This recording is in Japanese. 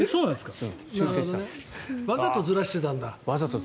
わざとずらしてたんだ。